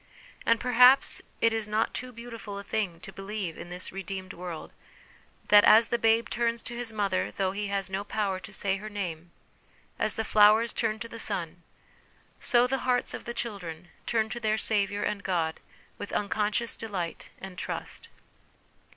And perhaps it is not too beautiful a thing to believe in this redeemed world, that, as the babe turns to his mother though he has no power to say her name, as the flowers turn to the sun, so the hearts of the children turn to their Saviour and God with unconscious delight and trust.